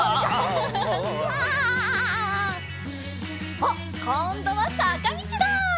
おっこんどはさかみちだ！